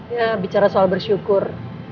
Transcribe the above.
ya bicara soal bersyukur